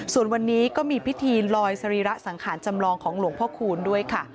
ส่วนวันนี้ก็มีพิธีลอยสรีระสังขารจำลองของหลวงพ่อคูณด้วยค่ะ